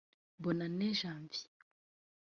Bonane Janvier